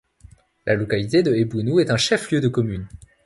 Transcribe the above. La localité de Ebounou est un chef-lieu de commune.